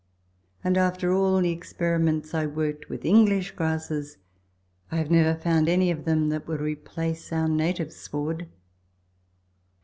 and after all the experiments I worked with English grasses, I have never found any of them that will replace our native sward.